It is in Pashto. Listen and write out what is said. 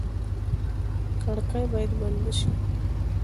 کړکۍ باید بنده شي.